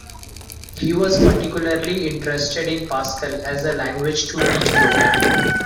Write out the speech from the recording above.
He was particularly interested in Pascal as a language to teach programming.